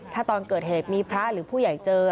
ถ้าตอนเกิดเหตุมีพระหรือผู้ใหญ่เจอ